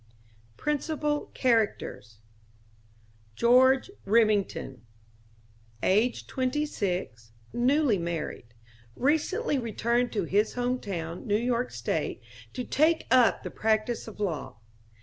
PRINCIPAL CHARACTERS George Remington... Aged twenty six; newly married. Recently returned to his home town, New York State, to take up the practice of law.